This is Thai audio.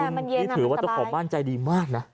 คุณมีถือว่าตัวของบ้านใจดีมากนะ